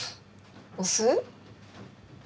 お酢？